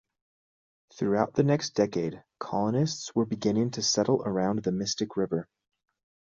Throughout the next decade, colonists were beginning to settle around the Mystic River.